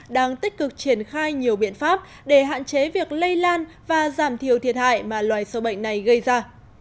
đang tích cực triển khai nhiều biện pháp để hạn chế việc lây lan và giảm thiểu thiệt hại mà loài sâu bệnh này gây ra